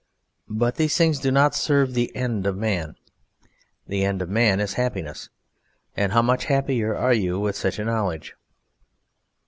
But these things do not serve the End of Man. The end of man is Happiness, and how much happier are you with such a knowledge?